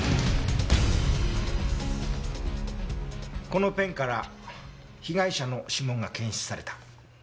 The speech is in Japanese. このペンから被害者の指紋が検出された。